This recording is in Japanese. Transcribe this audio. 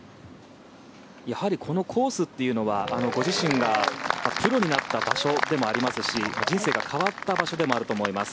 やはりこのコースというのはご自身がプロになった場所でもありますし人生が変わった場所でもあると思います。